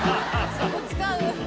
そこ使う？